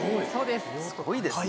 すごいですね。